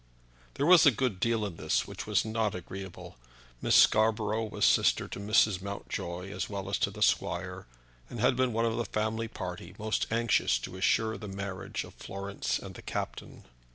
There was a good deal in this which was not agreeable. Miss Scarborough was sister to Mrs. Mountjoy as well as to the squire, and had been one of the family party most anxious to assure the marriage of Florence and the captain.